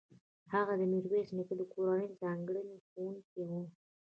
هغه د میرویس نیکه د کورنۍ ځانګړی ښوونکی و.